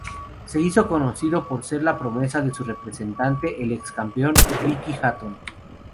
Se hizo conocido por ser la promesa de su representante el ex-campeón Ricky Hatton.